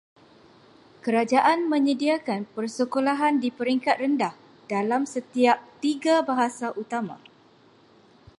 Kerajaan menyediakan persekolahan di peringkat rendah dalam setiap tiga bahasa utama.